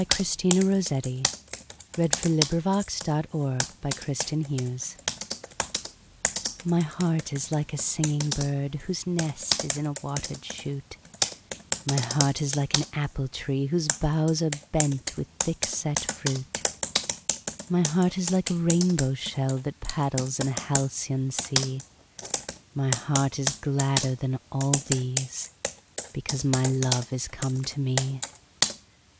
Christina Georgina Rossetti. 1830–1894 780. A Birthday MY heart is like a singing bird Whose nest is in a water'd shoot; My heart is like an apple tree Whose boughs are bent with thick set fruit; My heart is like a rainbow shell 5 That paddles in a halcyon sea; My heart is gladder than all these, Because my love is come to me.